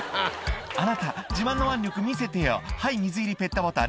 「あなた自慢の腕力見せてよはい水入りペットボトル」